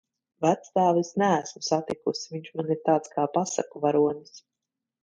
Vectēvu es neesmu satikusi, viņš man ir tāds kā pasaku varonis.